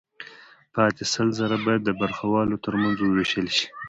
پاتې سل زره باید د برخوالو ترمنځ ووېشل شي